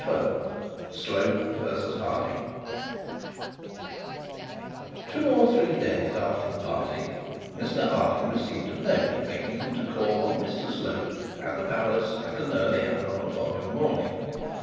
CHAPTER XII SLOPE VERSUS HARDING Two or three days after the party, Mr Harding received a note, begging him to call on Mr Slope, at the palace, at an early hour the following morning.